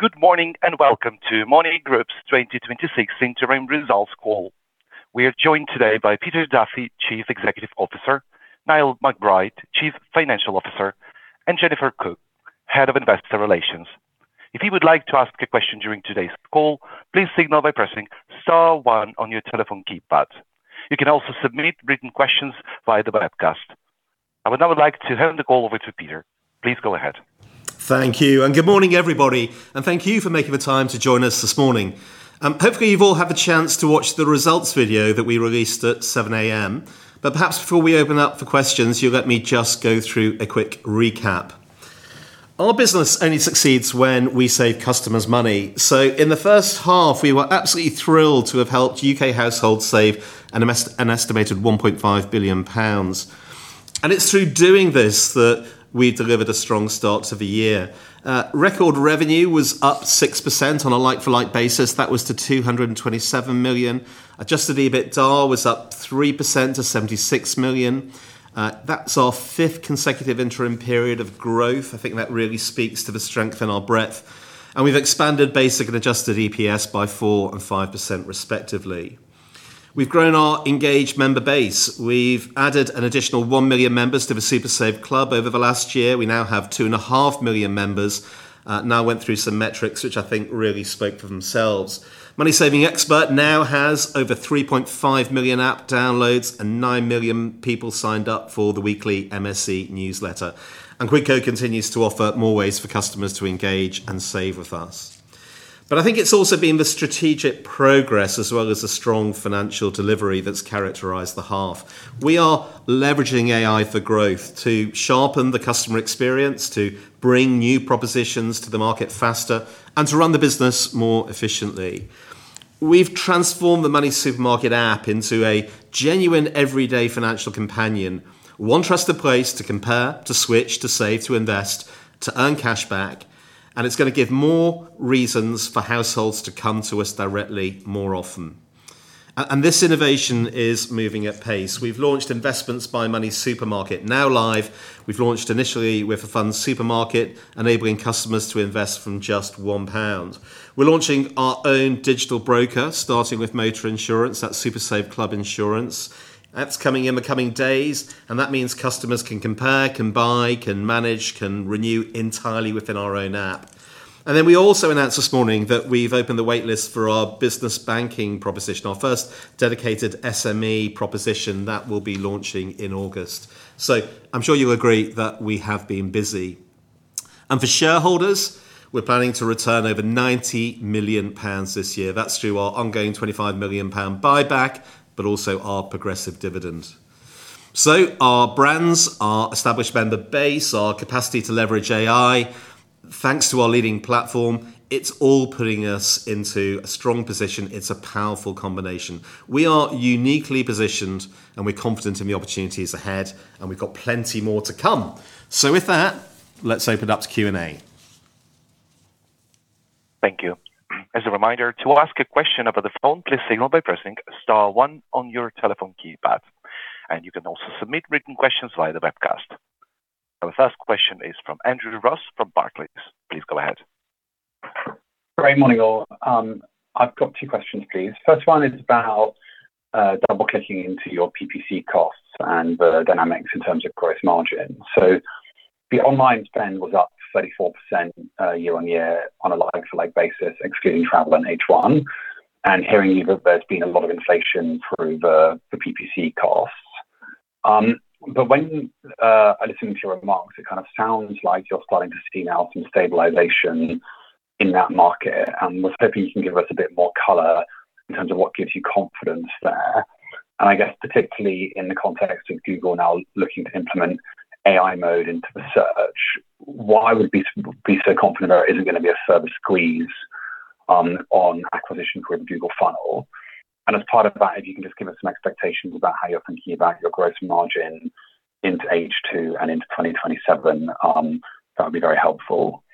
Good morning, welcome to MONY Group's 2026 interim results call. We are joined today by Peter Duffy, Chief Executive Officer, Niall McBride, Chief Financial Officer, and Jennifer Cooke, Head of Investor Relations. If you would like to ask a question during today's call, please signal by pressing star one on your telephone keypad. You can also submit written questions via the webcast. I would now like to hand the call over to Peter. Please go ahead. Thank you. Good morning, everybody, thank you for making the time to join us this morning. Hopefully, you've all had the chance to watch the results video that we released at 7:00 A.M. Perhaps before we open up for questions, you'll let me just go through a quick recap. Our business only succeeds when we save customers money. In the first half, we were absolutely thrilled to have helped U.K. households save an estimated 1.5 billion pounds. It's through doing this that we delivered a strong start to the year. Record revenue was up 6% on a like-for-like basis. That was to 227 million. Adjusted EBITDA was up 3% to 75 million. That's our fifth consecutive interim period of growth. I think that really speaks to the strength and our breadth. We've expanded basic and adjusted EPS by 4% and 5%, respectively. We've grown our engaged member base. We've added an additional one million members to the SuperSaveClub over the last year. We now have 2.5 million members. Now went through some metrics which I think really spoke for themselves. MoneySavingExpert now has over 3.5 million app downloads and nine million people signed up for the weekly MSE newsletter. Quidco continues to offer more ways for customers to engage and save with us. I think it's also been the strategic progress as well as the strong financial delivery that's characterized the half. We are leveraging AI for growth to sharpen the customer experience, to bring new propositions to the market faster, and to run the business more efficiently. We've transformed the MoneySuperMarket app into a genuine everyday financial companion, one trusted place to compare, to switch, to save, to invest, to earn cash back, and it's going to give more reasons for households to come to us directly more often. This innovation is moving at pace. We've launched investments by MoneySuperMarket, now live. We've launched initially with a fund supermarket, enabling customers to invest from just 1 pound. We're launching our own digital broker, starting with motor insurance. That's SuperSaveClub Insurance. That's coming in the coming days, and that means customers can compare, can buy, can manage, can renew entirely within our own app. We also announced this morning that we've opened the wait list for our business banking proposition, our first dedicated SME proposition that will be launching in August. I'm sure you agree that we have been busy. For shareholders, we're planning to return over 90 million pounds this year. That's through our ongoing 25 million pound buyback, but also our progressive dividend. Our brands, our established member base, our capacity to leverage AI, thanks to our leading platform, it's all putting us into a strong position. It's a powerful combination. We are uniquely positioned, and we're confident in the opportunities ahead, and we've got plenty more to come. With that, let's open up to Q&A. Thank you. As a reminder, to ask a question over the phone, please signal by pressing star one on your telephone keypad. You can also submit written questions via the webcast. Our first question is from Andrew Ross from Barclays. Please go ahead. Great morning, all. I've got two questions, please. First one is about double-clicking into your PPC costs and the dynamics in terms of gross margin. The online spend was up 34% year-over-year on a like-for-like basis, excluding travel and H1. Hearing you that there's been a lot of inflation through the PPC costs. When I listen to your remarks, it kind of sounds like you're starting to see now some stabilization in that market, and was hoping you can give us a bit more color in terms of what gives you confidence there. I guess particularly in the context of Google now looking to implement AI Mode into the search, why would we be so confident there isn't going to be a service squeeze on acquisition through a Google funnel? As part of that, if you can just give us some expectations about how you're thinking about your gross margin into H2 and into 2027, that would be very helpful.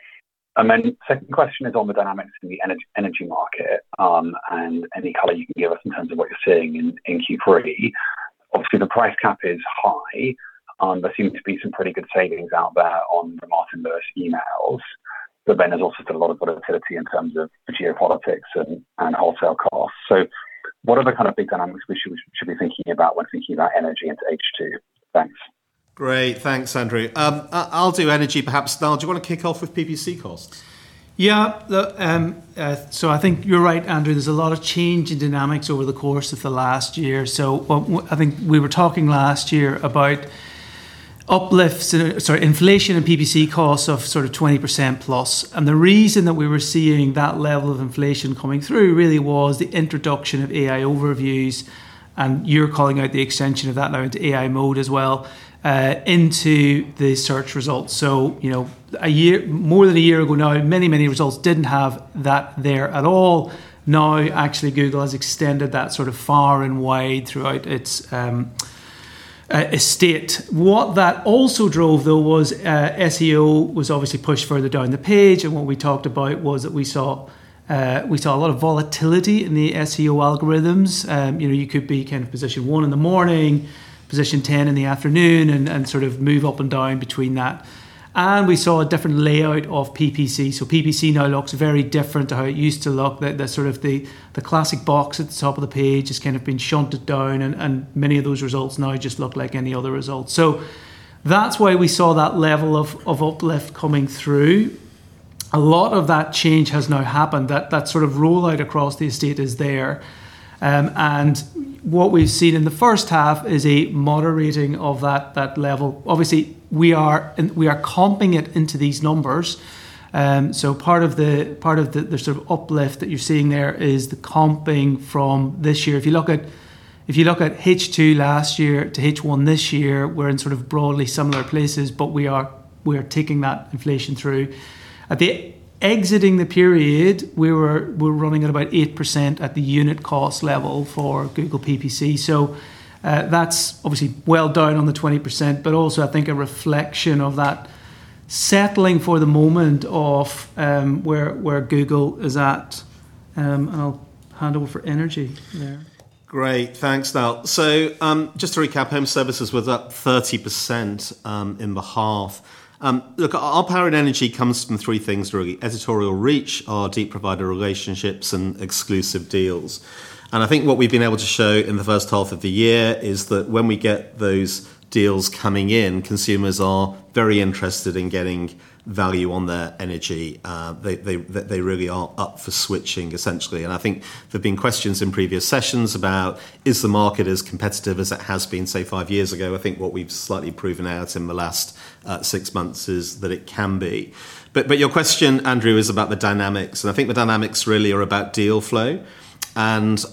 Then second question is on the dynamics in the energy market, and any color you can give us in terms of what you're seeing in Q3. Obviously, the price cap is high. There seems to be some pretty good savings out there on the Martin Lewis emails, but then there's also been a lot of volatility in terms of geopolitics and wholesale costs. What are the kind of big dynamics we should be thinking about when thinking about energy into H2? Thanks. Great. Thanks, Andrew. I'll do energy. Perhaps, Niall, do you want to kick off with PPC costs? I think you're right, Andrew. There's a lot of change in dynamics over the course of the last year. I think we were talking last year about uplifts Sorry, inflation and PPC costs of sort of 20%+. The reason that we were seeing that level of inflation coming through really was the introduction of AI Overviews, and you're calling out the extension of that now into AI Mode as well, into the search results. More than a year ago now, many, many results didn't have that there at all. Now, actually, Google has extended that sort of far and wide throughout its estate. What that also drove, though, was SEO was obviously pushed further down the page, and what we talked about was that we saw a lot of volatility in the SEO algorithms. You could be position one in the morning, position 10 in the afternoon, and sort of move up and down between that. We saw a different layout of PPC. PPC now looks very different to how it used to look. The classic box at the top of the page has kind of been shunted down, and many of those results now just look like any other results. That's why we saw that level of uplift coming through. A lot of that change has now happened, that sort of rollout across the estate is there. What we've seen in the first half is a moderating of that level. Obviously, we are comping it into these numbers. Part of the sort of uplift that you're seeing there is the comping from this year. If you look at H2 last year to H1 this year, we're in sort of broadly similar places, we are taking that inflation through. At the exiting the period, we're running at about 8% at the unit cost level for Google PPC. That's obviously well down on the 20%, but also I think a reflection of that settling for the moment of where Google is at. I'll hand over for energy there. Great. Thanks, Niall. Just to recap, home services was up 30% in the half. Look, our power in energy comes from three things, really. Editorial reach, our deep provider relationships, and exclusive deals. I think what we've been able to show in the first half of the year is that when we get those deals coming in, consumers are very interested in getting value on their energy. They really are up for switching, essentially. I think there have been questions in previous sessions about, is the market as competitive as it has been, say, five years ago? I think what we've slightly proven out in the last six months is that it can be. Your question, Andrew, was about the dynamics, and I think the dynamics really are about deal flow, and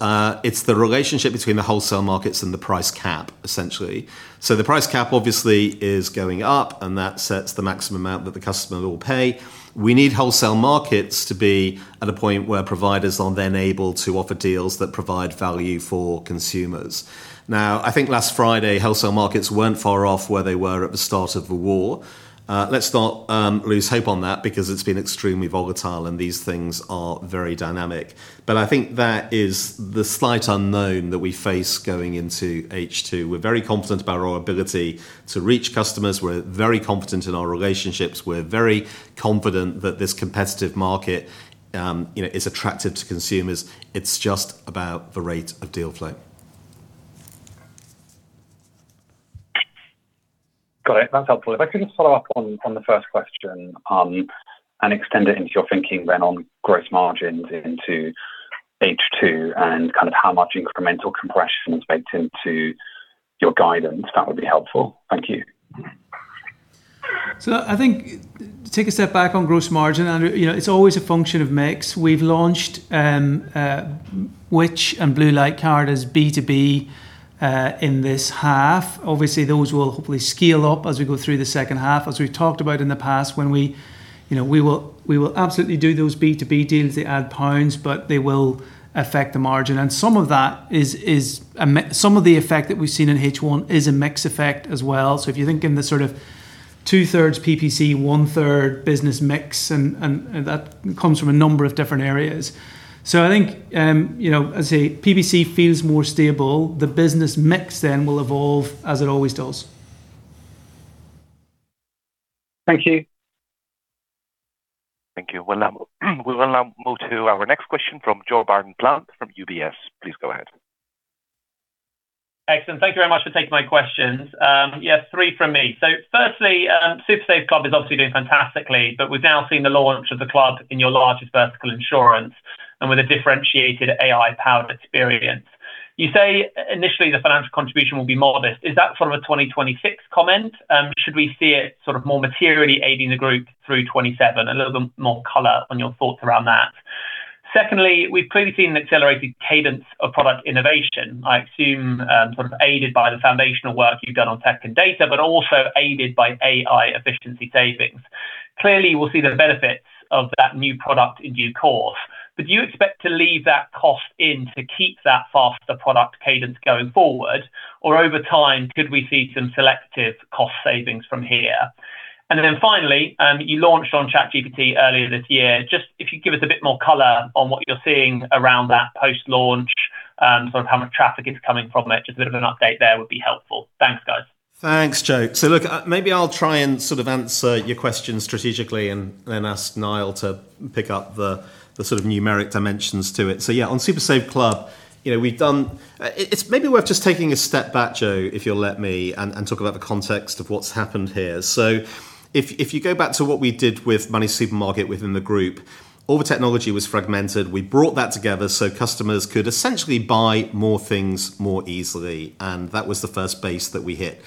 it's the relationship between the wholesale markets and the price cap, essentially. The price cap obviously is going up, and that sets the maximum amount that the customer will pay. We need wholesale markets to be at a point where providers are then able to offer deals that provide value for consumers. I think last Friday, wholesale markets weren't far off where they were at the start of the war. Let's not lose hope on that because it's been extremely volatile, and these things are very dynamic. I think that is the slight unknown that we face going into H2. We're very confident about our ability to reach customers. We're very confident in our relationships. We're very confident that this competitive market is attractive to consumers. It's just about the rate of deal flow. Got it. That's helpful. If I could just follow up on the first question, extend it into your thinking then on gross margins into H2, kind of how much incremental compression is baked into your guidance, that would be helpful. Thank you. I think to take a step back on gross margin, Andrew, it's always a function of mix. We've launched Which? and Blue Light Card as B2B in this half. Those will hopefully scale up as we go through the second half. We've talked about in the past, we will absolutely do those B2B deals. They add pounds, but they will affect the margin. Some of the effect that we've seen in H1 is a mix effect as well. If you think in the sort of two thirds PPC, one third business mix, that comes from a number of different areas. I think, as I say, PPC feels more stable. The business mix then will evolve as it always does. Thank you. Thank you. We'll now move to our next question from Joe Barton-Platt from UBS. Please go ahead. Excellent. Thank you very much for taking my questions. Three from me. Firstly, SuperSaveClub is obviously doing fantastically, but we've now seen the launch of the club in your largest vertical, insurance, and with a differentiated AI-powered experience. You say initially the financial contribution will be modest. Is that sort of a 2026 comment? Should we see it sort of more materially aiding the group through 2027? A little bit more color on your thoughts around that. Secondly, we've clearly seen an accelerated cadence of product innovation, I assume aided by the foundational work you've done on tech and data, but also aided by AI efficiency savings. Clearly, we'll see the benefits of that new product in due course, but do you expect to leave that cost in to keep that faster product cadence going forward? Over time, could we see some selective cost savings from here? Finally, you launched on ChatGPT earlier this year. Just if you give us a bit more color on what you're seeing around that post-launch, sort of how much traffic is coming from it, just a bit of an update there would be helpful. Thanks, guys. Thanks, Joe. Look, maybe I'll try and sort of answer your question strategically and then ask Niall to pick up the sort of numeric dimensions to it. Yeah, on SuperSaveClub, it's maybe worth just taking a step back, Joe, if you'll let me, and talk about the context of what's happened here. If you go back to what we did with MoneySuperMarket within the group, all the technology was fragmented. We brought that together so customers could essentially buy more things more easily, and that was the first base that we hit.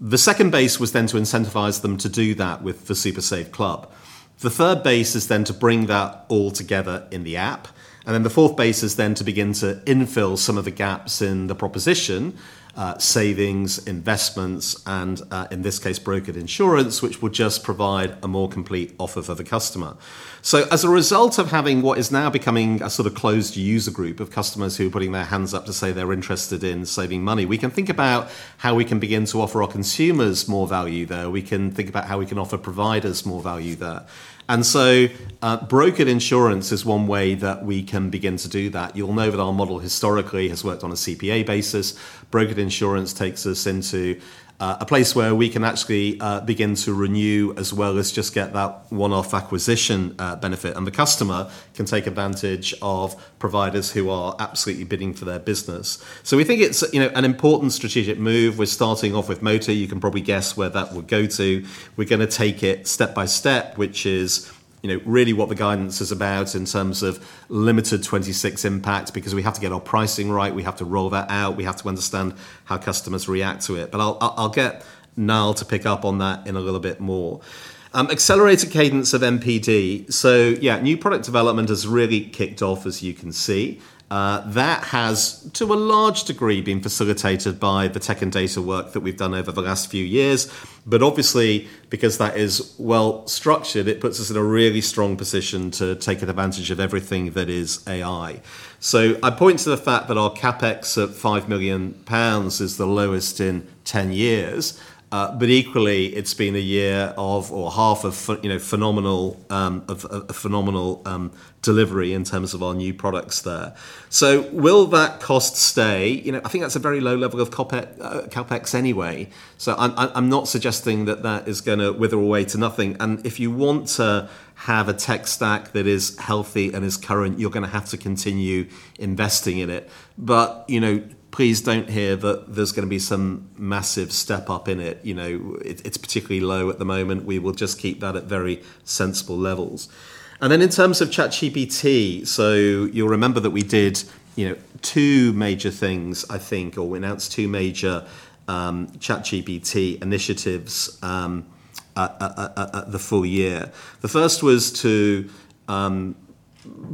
The second base was to incentivize them to do that with the SuperSaveClub. The third base is to bring that all together in the app, the fourth base is to begin to infill some of the gaps in the proposition, savings, investments, and, in this case, brokered insurance, which will just provide a more complete offer for the customer. As a result of having what is now becoming a sort of closed user group of customers who are putting their hands up to say they're interested in saving money, we can think about how we can begin to offer our consumers more value there. We can think about how we can offer providers more value there. Brokered insurance is one way that we can begin to do that. You'll know that our model historically has worked on a CPA basis. Brokered insurance takes us into a place where we can actually begin to renew as well as just get that one-off acquisition benefit. The customer can take advantage of providers who are absolutely bidding for their business. We think it's an important strategic move. We're starting off with motor. You can probably guess where that will go to. We're going to take it step by step, which is really what the guidance is about in terms of limited 2026 impact because we have to get our pricing right. We have to roll that out. We have to understand how customers react to it. I'll get Niall to pick up on that in a little bit more. Accelerated cadence of MPD. Yeah, new product development has really kicked off, as you can see. That has, to a large degree, been facilitated by the tech and data work that we've done over the last few years. Obviously, because that is well structured, it puts us in a really strong position to take advantage of everything that is AI. I point to the fact that our CapEx of 5 million pounds is the lowest in 10 years. Equally, it's been a year of, or half of phenomenal delivery in terms of our new products there. Will that cost stay? I think that's a very low level of CapEx anyway, I'm not suggesting that that is going to wither away to nothing. If you want to have a tech stack that is healthy and is current, you're going to have to continue investing in it. Please don't hear that there's going to be some massive step up in it. It's particularly low at the moment. We will just keep that at very sensible levels. In terms of ChatGPT, you'll remember that we did two major things, I think, or we announced two major ChatGPT initiatives at the full year. The first was to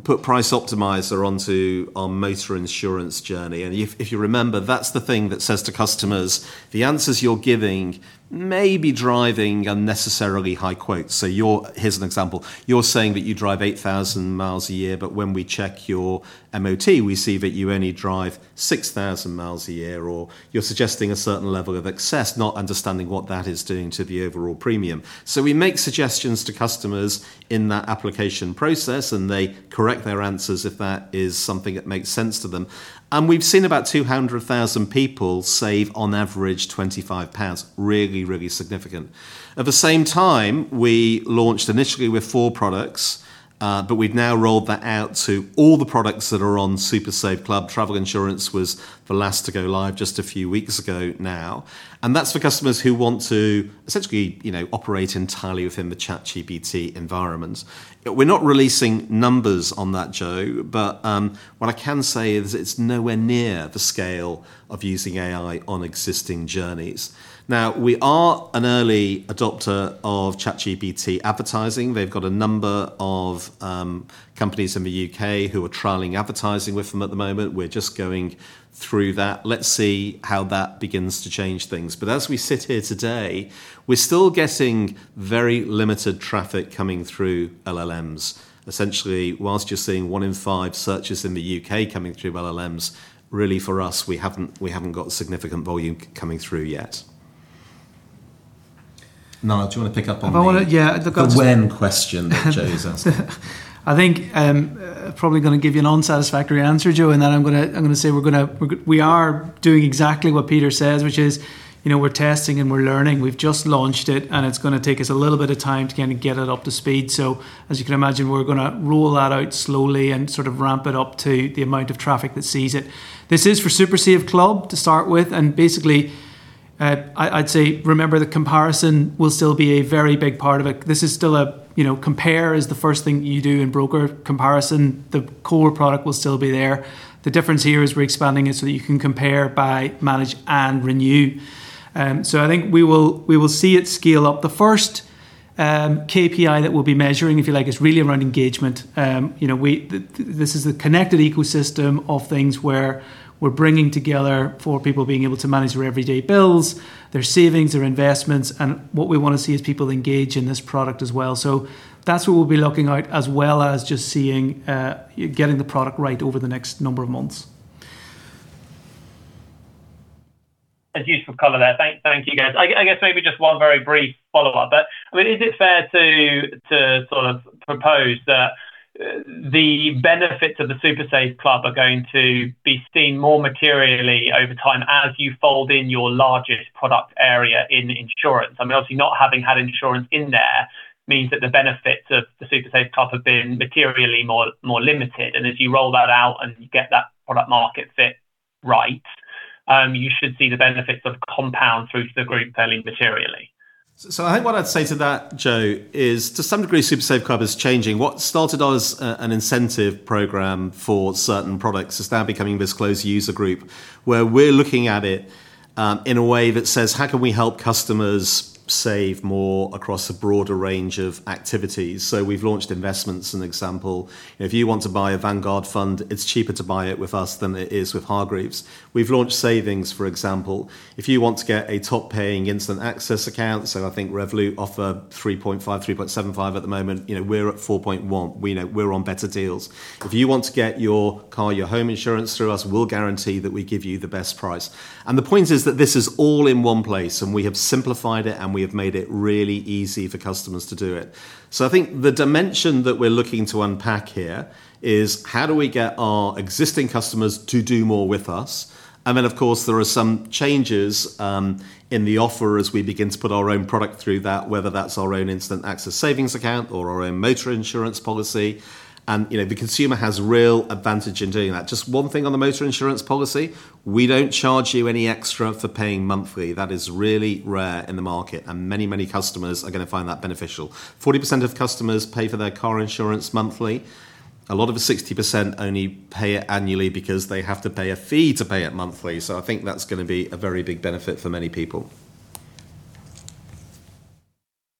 put Price Optimiser onto our motor insurance journey. If you remember, that's the thing that says to customers, the answers you're giving may be driving unnecessarily high quotes. Here's an example. You're saying that you drive 8,000 miles a year, but when we check your MOT, we see that you only drive 6,000 mi a year, or you're suggesting a certain level of excess, not understanding what that is doing to the overall premium. We make suggestions to customers in that application process, and they correct their answers if that is something that makes sense to them. We've seen about 200,000 people save, on average, 25 pounds. Really, really significant. At the same time, we launched initially with four products, but we've now rolled that out to all the products that are on SuperSaveClub. Travel Insurance was the last to go live just a few weeks ago now. That's for customers who want to essentially operate entirely within the ChatGPT environment. We're not releasing numbers on that, Joe, but what I can say is it's nowhere near the scale of using AI on existing journeys. We are an early adopter of ChatGPT advertising. They've got a number of companies in the U.K. who are trialing advertising with them at the moment. We're just going through that. Let's see how that begins to change things. As we sit here today, we're still getting very limited traffic coming through LLMs. Essentially, whilst you're seeing one in five searches in the U.K. coming through LLMs, really for us, we haven't got significant volume coming through yet. Niall, do you want to pick up on the- I want to, yeah. The when question that Joe's asked? I think I'm probably going to give you an unsatisfactory answer, Joe, in that I'm going to say we are doing exactly what Peter says, which is we're testing and we're learning. We've just launched it, and it's going to take us a little bit of time to kind of get it up to speed. As you can imagine, we're going to roll that out slowly and sort of ramp it up to the amount of traffic that sees it. This is for SuperSaveClub to start with. Basically, I'd say remember that comparison will still be a very big part of it. Compare is the first thing you do in broker comparison. The core product will still be there. The difference here is we're expanding it so that you can compare by manage and renew. I think we will see it scale up. The first KPI that we'll be measuring, if you like, is really around engagement. This is a connected ecosystem of things where we're bringing together for people being able to manage their everyday bills, their savings, their investments, and what we want to see is people engage in this product as well. That's what we'll be looking at, as well as just seeing getting the product right over the next number of months. A useful cover there. Thank you, guys. I guess maybe just one very brief follow-up, is it fair to sort of propose that the benefits of the SuperSaveClub are going to be seen more materially over time as you fold in your largest product area in insurance? I mean, obviously not having had insurance in there means that the benefits of the SuperSaveClub have been materially more limited. As you roll that out and you get that product market fit right, you should see the benefits of compound through to the group fairly materially. I think what I'd say to that, Joe, is to some degree, SuperSaveClub is changing. What started as an incentive program for certain products is now becoming this closed user group where we're looking at it in a way that says, how can we help customers save more across a broader range of activities? We've launched investments, an example. If you want to buy a Vanguard fund, it's cheaper to buy it with us than it is with Hargreaves. We've launched savings, for example. If you want to get a top paying instant access account, I think Revolut offer 3.5%, 3.75% at the moment, we're at 4.1%. We're on better deals. If you want to get your car, your home insurance through us, we'll guarantee that we give you the best price. The point is that this is all in one place, and we have simplified it, and we have made it really easy for customers to do it. I think the dimension that we're looking to unpack here is how do we get our existing customers to do more with us? Then, of course, there are some changes in the offer as we begin to put our own product through that, whether that's our own instant access savings account or our own motor insurance policy. The consumer has real advantage in doing that. Just one thing on the motor insurance policy. We don't charge you any extra for paying monthly. That is really rare in the market, and many customers are going to find that beneficial. 40% of customers pay for their car insurance monthly. A lot of the 60% only pay it annually because they have to pay a fee to pay it monthly. I think that's going to be a very big benefit for many people.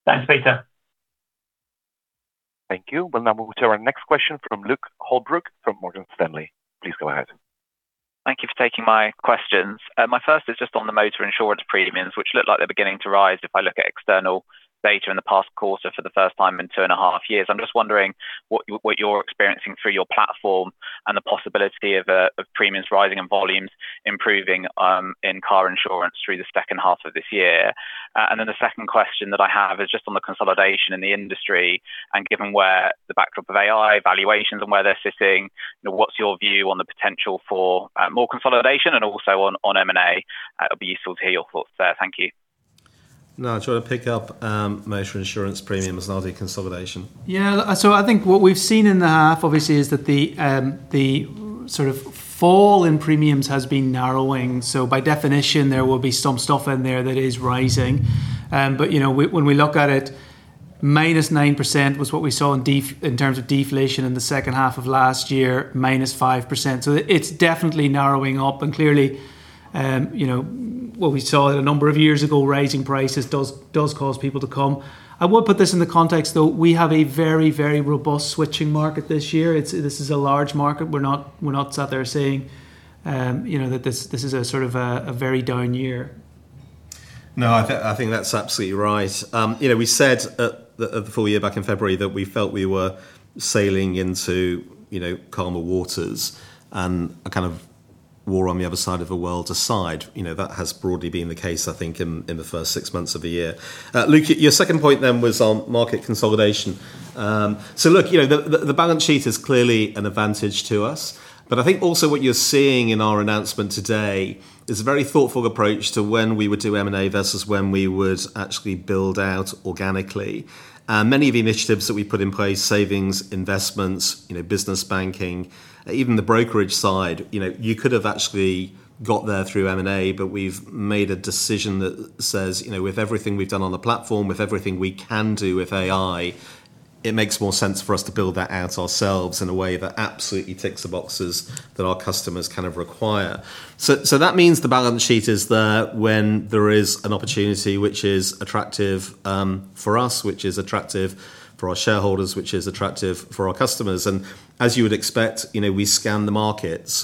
Thanks, Peter. Thank you. We'll now move to our next question from Luke Holbrook from Morgan Stanley. Please go ahead. Thank you for taking my questions. My first is just on the motor insurance premiums, which look like they're beginning to rise if I look at external data in the past quarter for the first time in two and a half years. I'm just wondering what you're experiencing through your platform and the possibility of premiums rising and volumes improving in car insurance through the second half of this year. The second question that I have is just on the consolidation in the industry, given where the backdrop of AI valuations and where they're sitting, what's your view on the potential for more consolidation and also on M&A? It'll be useful to hear your thoughts there. Thank you. Niall, do you want to pick up motor insurance premiums and on the consolidation? Yeah. I think what we've seen in the half, obviously, is that the sort of fall in premiums has been narrowing. By definition, there will be some stuff in there that is rising. When we look at it, -9% was what we saw in terms of deflation in the second half of last year, -5%. It's definitely narrowing up. Clearly, what we saw a number of years ago, rising prices does cause people to come. I will put this in the context, though. We have a very robust switching market this year. This is a large market. We're not sat there saying that this is a sort of a very down year. No, I think that's absolutely right. We said at the full year back in February that we felt we were sailing into calmer waters and a kind of war on the other side of a world aside. That has broadly been the case, I think, in the first six months of the year. Luke, your second point was on market consolidation. Look, the balance sheet is clearly an advantage to us. I think also what you're seeing in our announcement today is a very thoughtful approach to when we would do M&A versus when we would actually build out organically. Many of the initiatives that we put in place, savings, investments, Business Banking, even the brokerage side, you could have actually got there through M&A, but we've made a decision that says with everything we've done on the platform, with everything we can do with AI, it makes more sense for us to build that out ourselves in a way that absolutely ticks the boxes that our customers require. That means the balance sheet is there when there is an opportunity which is attractive for us, which is attractive for our shareholders, which is attractive for our customers. As you would expect, we scan the market.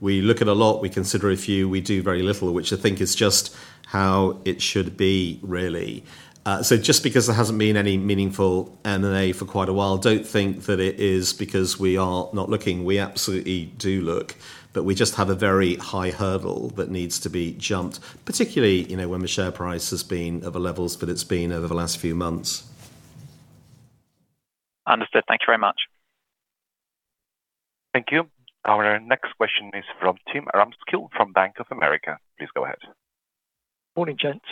We look at a lot, we consider a few, we do very little, which I think is just how it should be, really. Just because there hasn't been any meaningful M&A for quite a while, don't think that it is because we are not looking. We absolutely do look, we just have a very high hurdle that needs to be jumped, particularly when the share price has been at the levels that it's been over the last few months. Understood. Thank you very much. Thank you. Our next question is from Tim Ramskill from Bank of America. Please go ahead. Morning, gents.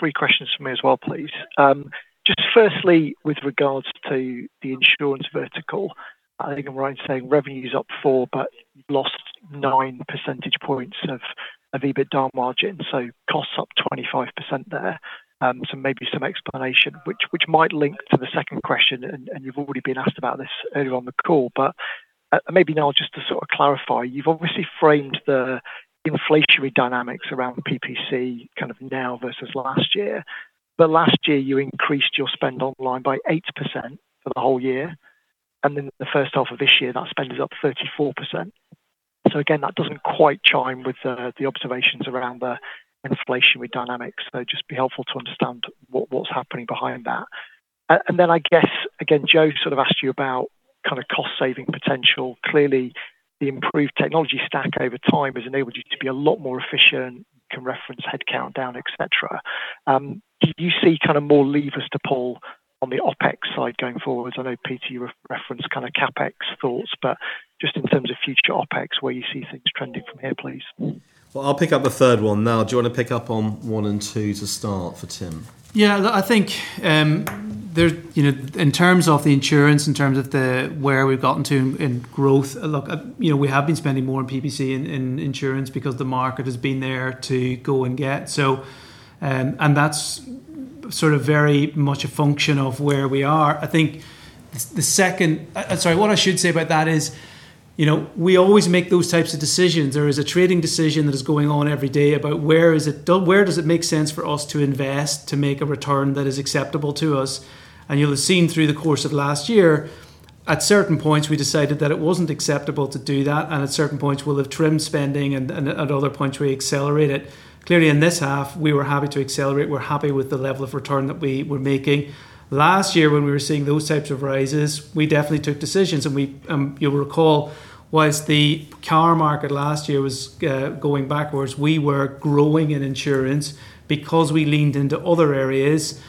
Three questions for me as well, please. Firstly, with regards to the insurance vertical, I think I'm right in saying revenue's up 4%, but you've lost nine percentage points of EBITDA margin, so cost's up 25% there. Maybe some explanation, which might link to the second question, you've already been asked about this earlier on the call. But maybe now just to clarify, you've obviously framed the inflationary dynamics around PPC now versus last year. Last year, you increased your spend online by 8% for the whole year. Then in the first half of this year, that spend is up 34%. Again, that doesn't quite chime with the observations around the inflationary dynamics. It'd just be helpful to understand what's happening behind that. Then I guess, again, Joe sort of asked you about cost-saving potential. Clearly, the improved technology stack over time has enabled you to be a lot more efficient. You can reference headcount down, et cetera. Do you see more levers to pull on the OpEx side going forward? Because I know, Peter, you referenced CapEx thoughts. Just in terms of future OpEx, where you see things trending from here, please. Well, I'll pick up the third one. Niall, do you want to pick up on one and two to start for Tim? In terms of the insurance, in terms of where we've gotten to in growth, look, we have been spending more on PPC in insurance because the market has been there to go and get. That's very much a function of where we are. Sorry, what I should say about that is, we always make those types of decisions. There is a trading decision that is going on every day about where does it make sense for us to invest to make a return that is acceptable to us. You'll have seen through the course of last year, at certain points, we decided that it wasn't acceptable to do that, at certain points we'll have trimmed spending and at other points we accelerate it. Clearly, in this half, we were happy to accelerate. We're happy with the level of return that we were making. Last year, when we were seeing those types of rises, we definitely took decisions, you'll recall whilst the car market last year was going backwards, we were growing in insurance because we leaned into other areas,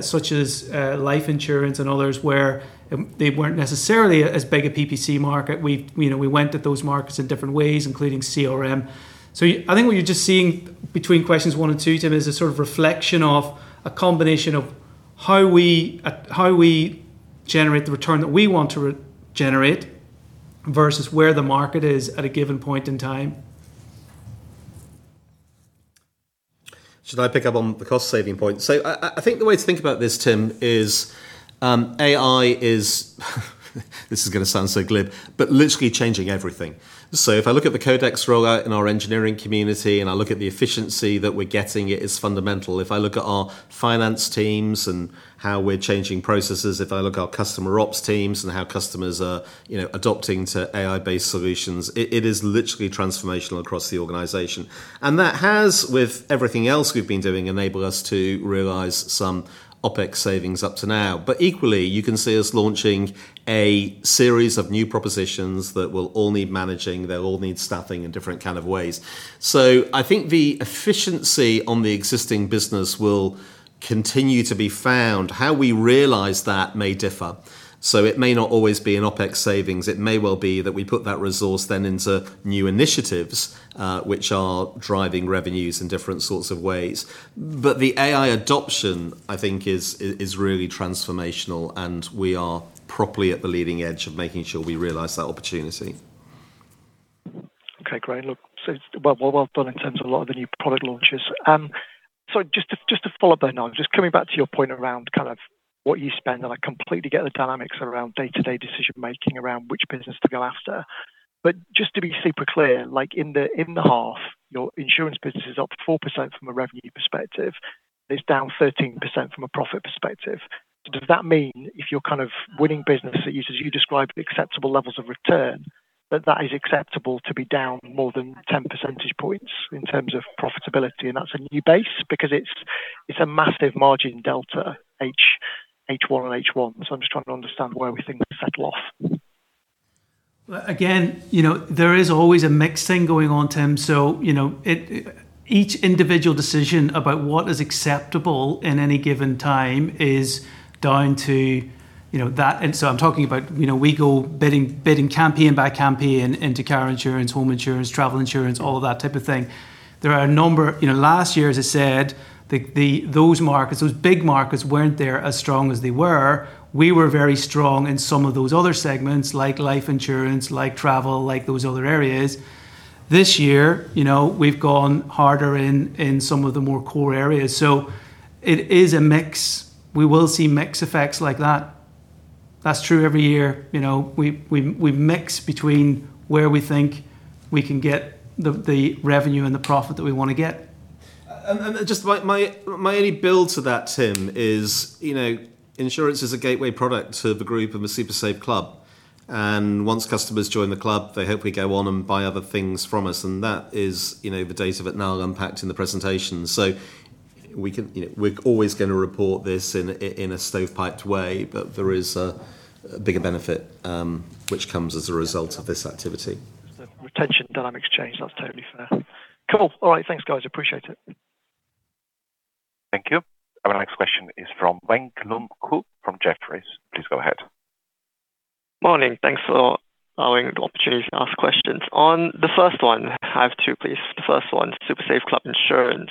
such as life insurance and others where they weren't necessarily as big a PPC market. We went at those markets in different ways, including CRM. I think what you're just seeing between questions one and two, Tim, is a sort of reflection of a combination of how we generate the return that we want to generate versus where the market is at a given point in time. Should I pick up on the cost-saving point? I think the way to think about this, Tim, is AI is this is going to sound so glib, but literally changing everything. If I look at the Codex rollout in our engineering community, I look at the efficiency that we're getting, it is fundamental. If I look at our finance teams and how we're changing processes, if I look at our customer ops teams and how customers are adopting to AI-based solutions, it is literally transformational across the organization. That has, with everything else we've been doing, enabled us to realize some OpEx savings up to now. Equally, you can see us launching a series of new propositions that will all need managing. They'll all need staffing in different kind of ways. I think the efficiency on the existing business will continue to be found. How we realize that may differ. It may not always be in OpEx savings. It may well be that we put that resource then into new initiatives, which are driving revenues in different sorts of ways. The AI adoption, I think is really transformational, we are properly at the leading edge of making sure we realize that opportunity. Okay, great. Look, well done in terms of a lot of the new product launches. Sorry, just to follow up there, Niall, just coming back to your point around what you spend, and I completely get the dynamics around day-to-day decision making around which business to go after. Just to be super clear, in the half, your insurance business is up 4% from a revenue perspective. It's down 13% from a profit perspective. Does that mean if you're winning business that uses, you described acceptable levels of return, that that is acceptable to be down more than 10 percentage points in terms of profitability, and that's a new base? Because it's a massive margin delta, H1 on H1. I'm just trying to understand where we think we settle off. Again, there is always a mixing going on, Tim. Each individual decision about what is acceptable in any given time is down to that. I'm talking about, we go bidding campaign by campaign into car insurance, home insurance, travel insurance, all of that type of thing. There are a number. Last year, as I said, those markets, those big markets weren't there as strong as they were. We were very strong in some of those other segments, like life insurance, like travel, like those other areas. This year, we've gone harder in some of the more core areas. It is a mix. We will see mix effects like that. That's true every year. We mix between where we think we can get the revenue and the profit that we want to get. Just my only build to that, Tim, is insurance is a gateway product to the group of a SuperSaveClub. Once customers join the club, they hopefully go on and buy other things from us. That is the data that Niall unpacked in the presentation. We're always going to report this in a stovepiped way. There is a bigger benefit, which comes as a result of this activity. The retention dynamics change. That's totally fair. Cool. All right. Thanks, guys. Appreciate it. Thank you. Our next question is from Weng Lum Khoo from Jefferies. Please go ahead. Morning. Thanks for allowing the opportunity to ask questions. On the first one, I have two, please. The first one, SuperSaveClub Insurance.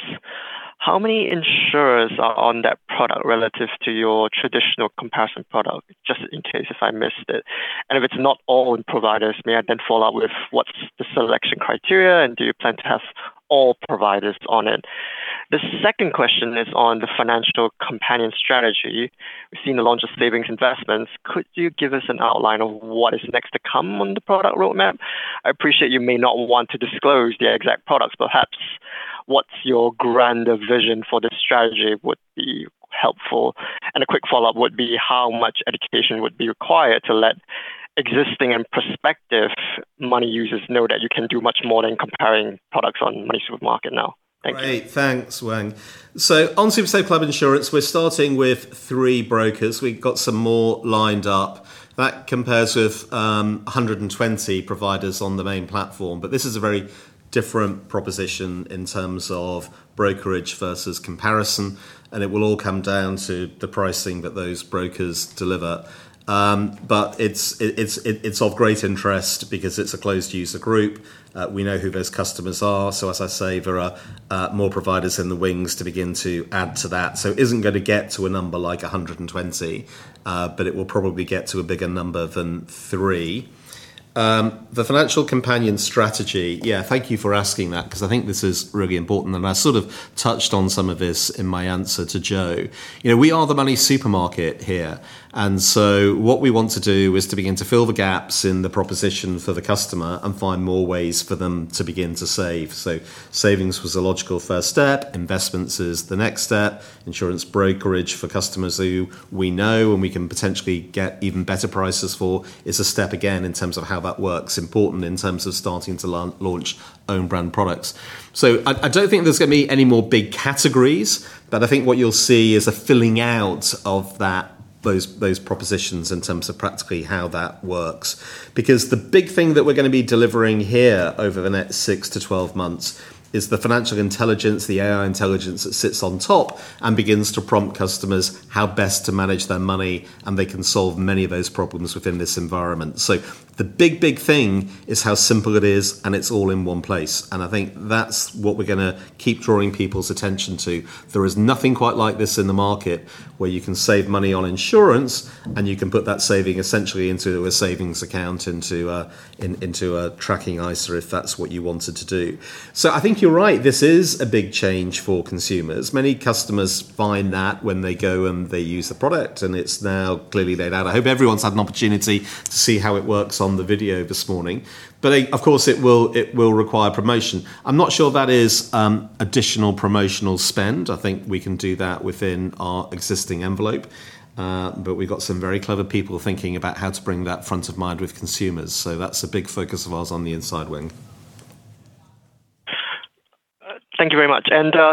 How many insurers are on that product relative to your traditional comparison product, just in case if I missed it? If it's not all providers, may I then follow up with what's the selection criteria, and do you plan to have all providers on it? The second question is on the financial companion strategy. We've seen the launch of savings investments. Could you give us an outline of what is next to come on the product roadmap? I appreciate you may not want to disclose the exact products, but perhaps what's your grander vision for this strategy would be helpful. A quick follow-up would be how much education would be required to let existing and prospective money users know that you can do much more than comparing products on MoneySuperMarket now. Thank you. Great. Thanks, Weng. On SuperSaveClub Insurance, we're starting with three brokers. We've got some more lined up. That compares with 120 providers on the main platform. This is a very different proposition in terms of brokerage versus comparison, and it will all come down to the pricing that those brokers deliver. It's of great interest because it's a closed user group. We know who those customers are. As I say, there are more providers in the wings to begin to add to that. Isn't going to get to a number like 120, but it will probably get to a bigger number than three. The financial companion strategy. Yeah, thank you for asking that because I think this is really important, and I sort of touched on some of this in my answer to Joe. We are the MoneySuperMarket here. What we want to do is to begin to fill the gaps in the proposition for the customer and find more ways for them to begin to save. Savings was a logical first step. Investments is the next step. Insurance brokerage for customers who we know and we can potentially get even better prices for is a step again, in terms of how that works. Important in terms of starting to launch own brand products. I don't think there's going to be any more big categories, but I think what you'll see is a filling out of those propositions in terms of practically how that works. The big thing that we're going to be delivering here over the next 6-12 months is the financial intelligence, the AI intelligence that sits on top and begins to prompt customers how best to manage their money, and they can solve many of those problems within this environment. The big thing is how simple it is, and it's all in one place. I think that's what we're going to keep drawing people's attention to. There is nothing quite like this in the market where you can save money on insurance, and you can put that saving essentially into a savings account, into a tracking ISA, if that's what you wanted to do. I think you're right. This is a big change for consumers. Many customers find that when they go and they use the product, and it's now clearly laid out. I hope everyone's had an opportunity to see how it works on the video this morning. Of course, it will require promotion. I'm not sure that is additional promotional spend. I think we can do that within our existing envelope. We've got some very clever people thinking about how to bring that front of mind with consumers. That's a big focus of ours on the inside wing. Thank you very much.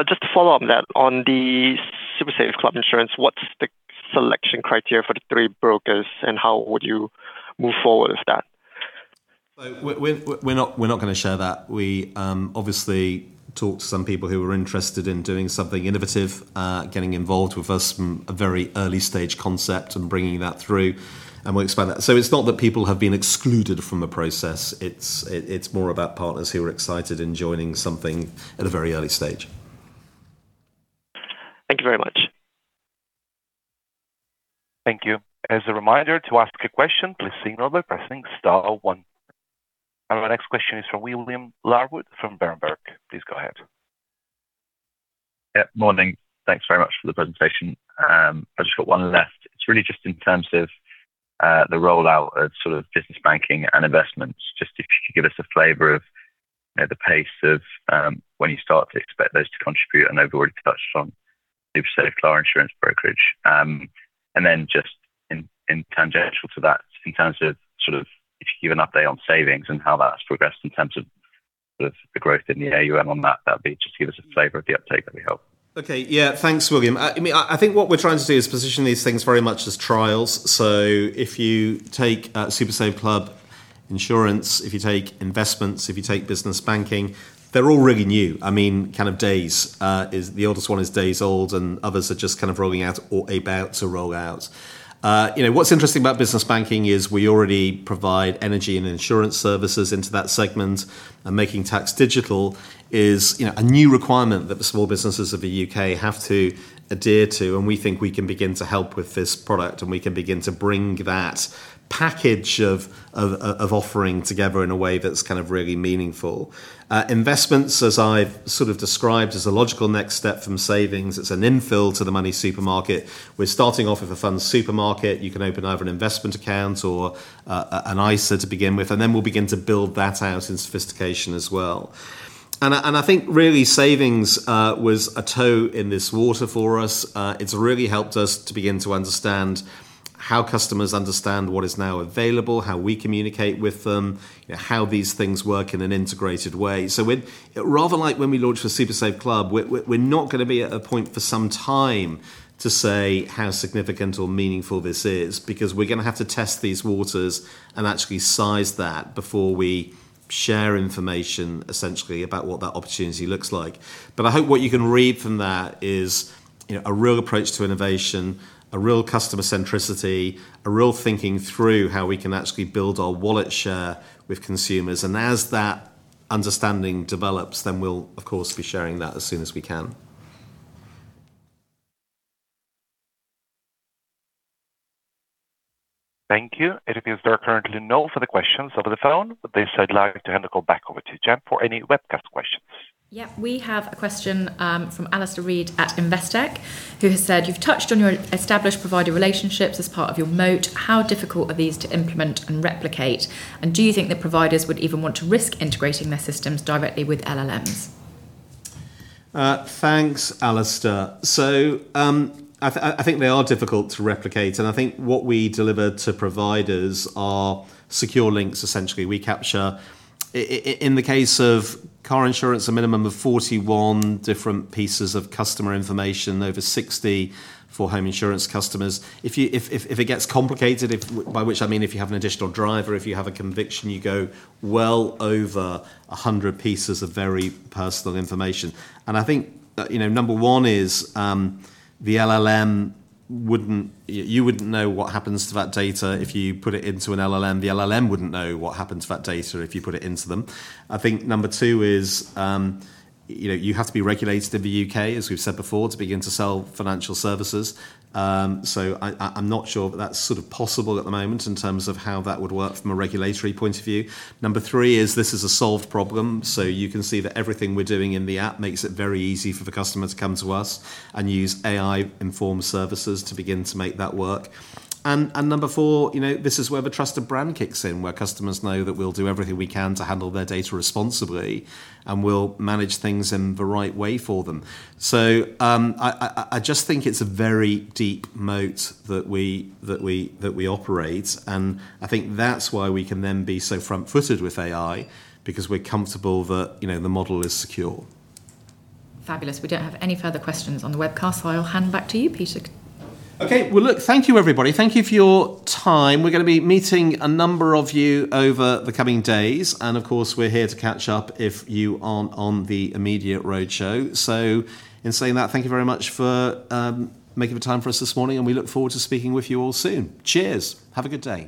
Just to follow up on that, on the SuperSaveClub Insurance, what's the selection criteria for the three brokers and how would you move forward with that? We're not going to share that. We obviously talked to some people who were interested in doing something innovative, getting involved with us from a very early-stage concept and bringing that through, we'll expand that. It's not that people have been excluded from the process. It's more about partners who are excited in joining something at a very early stage. Thank you very much. Thank you. As a reminder to ask a question, please signal by pressing star one. Our next question is from William Larwood from Berenberg. Please go ahead. Morning. Thanks very much for the presentation. I've just got one left. It's really just in terms of the rollout of business banking and investments, just if you could give us a flavor of the pace of when you start to expect those to contribute. I know you've already touched on SuperSaveClub insurance brokerage. Just tangential to that in terms of if you could give an update on savings and how that's progressed in terms of the growth in the AUM on that. Just give us a flavor of the update. That'd be helpful. Okay. Yeah. Thanks, William. I think what we're trying to do is position these things very much as trials. If you take SuperSaveClub Insurance, if you take investments, if you take Business Banking, they're all really new. I mean, kind of days. The oldest one is days old, and others are just kind of rolling out or about to roll out. What's interesting about Business Banking is we already provide energy and insurance services into that segment. Making Tax Digital is a new requirement that the small businesses of the U.K. have to adhere to, and we think we can begin to help with this product, and we can begin to bring that package of offering together in a way that's kind of really meaningful. Investments, as I've sort of described, is a logical next step from savings. It's an infill to the MoneySuperMarket. We're starting off with a fund supermarket. You can open either an investment account or an ISA to begin with, and then we'll begin to build that out in sophistication as well. I think really savings was a toe in this water for us. It's really helped us to begin to understand how customers understand what is now available, how we communicate with them, how these things work in an integrated way. Rather like when we launched the SuperSaveClub, we're not going to be at a point for some time to say how significant or meaningful this is because we're going to have to test these waters and actually size that before we share information essentially about what that opportunity looks like. I hope what you can read from that is a real approach to innovation, a real customer centricity, a real thinking through how we can actually build our wallet share with consumers. As that understanding develops, then we'll of course, be sharing that as soon as we can. Thank you. It appears there are currently no further questions over the phone. At this stage, I'd like to hand the call back over to Jennifer for any webcast questions. Yeah, we have a question from Alastair Reid at Investec who has said, "You've touched on your established provider relationships as part of your moat. How difficult are these to implement and replicate? Do you think that providers would even want to risk integrating their systems directly with LLMs? Thanks, Alastair. I think they are difficult to replicate, I think what we deliver to providers are secure links, essentially. We capture, in the case of car insurance, a minimum of 41 different pieces of customer information, over 60 for home insurance customers. If it gets complicated, by which I mean if you have an additional driver, if you have a conviction, you go well over 100 pieces of very personal information. I think that number one is, the LLM, you wouldn't know what happens to that data if you put it into an LLM. The LLM wouldn't know what happens to that data if you put it into them. I think number two is you have to be regulated in the U.K., as we've said before, to begin to sell financial services. I'm not sure that's sort of possible at the moment in terms of how that would work from a regulatory point of view. Number three is this is a solved problem, you can see that everything we're doing in the app makes it very easy for the customer to come to us and use AI-informed services to begin to make that work. Number four, this is where the trusted brand kicks in, where customers know that we'll do everything we can to handle their data responsibly, and we'll manage things in the right way for them. I just think it's a very deep moat that we operate, and I think that's why we can then be so front-footed with AI because we're comfortable that the model is secure. Fabulous. We don't have any further questions on the webcast, I'll hand back to you, Peter. Okay. Well, look, thank you, everybody. Thank you for your time. We're going to be meeting a number of you over the coming days. Of course, we're here to catch up if you aren't on the immediate roadshow. In saying that, thank you very much for making the time for us this morning, and we look forward to speaking with you all soon. Cheers. Have a good day